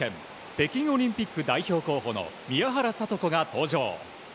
北京オリンピック代表候補の宮原知子が登場。